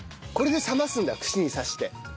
これで冷ますんだ串に刺して。